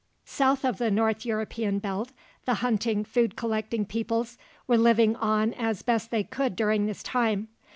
South of the north European belt the hunting food collecting peoples were living on as best they could during this time.